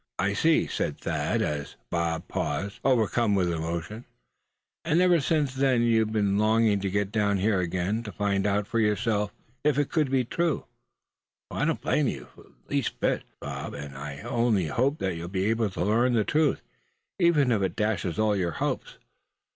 "I see," said Thad, as the other paused, overcome with emotion; "and ever since then you've been longing to get down here again, to find out for yourself if it could be true. I don't blame you the least bit, Bob. And I only hope that you'll be able to learn the truth, even if it dashes all your hopes.